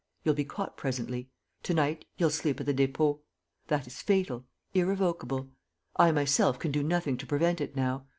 You'll be caught presently. To night, you'll sleep at the Dépôt. That is fatal, irrevocable. I myself can do nothing to prevent it now.